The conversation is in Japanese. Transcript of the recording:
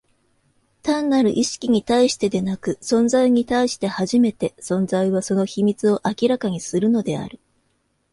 単なる意識に対してでなく、存在に対して初めて、存在は、その秘密を明らかにするのである。